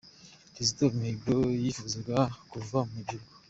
Kizito Mihigo yifuzaga kuva mu gihugu